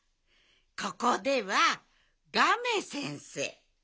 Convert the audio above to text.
ここでは「ガメ先生」でしょ？